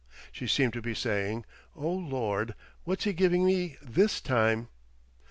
She seemed to be saying, "Oh Lord! What's he giving me this time?"